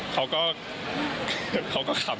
เขาก็คลำครับ